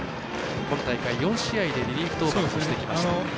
今大会、４試合でリリーフ登板もしてきました。